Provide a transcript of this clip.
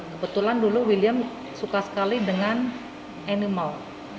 kebetulan dulu william suka sekali dengan animal